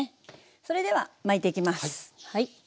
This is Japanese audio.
それでは巻いていきます。